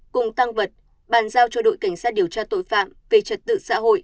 cùng tăng vật bàn giao cho đội cảnh sát điều tra tội phạm về trật tự xã hội